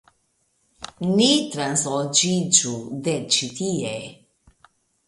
Ni transloĝiĝu de ĉi tie.